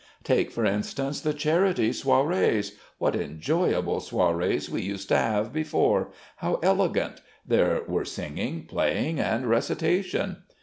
Take, for instance, the charity soirées. What enjoyable soirées we used to have before! How elegant! There were singing, playing, and recitation....